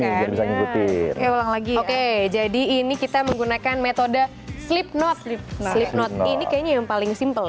jadi bisa ngikutin ya ulang lagi ya oke jadi ini kita menggunakan metode slip knot slip knot ini kayaknya yang paling simpel ya